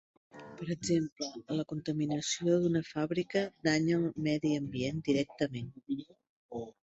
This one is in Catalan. Per exemple, la contaminació d'una fàbrica danya el medi ambient directament.